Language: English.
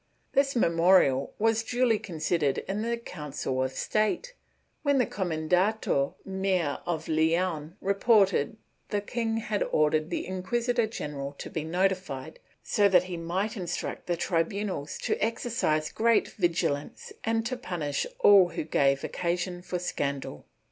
This memorial was duly considered in the Council of State, when the Comendador Mayor of Leon reported that the king had ordered the inquisitor general to be notified, so that he might instruct the tribunals to exercise great vigilance and to punish all who gave occasion for scandal.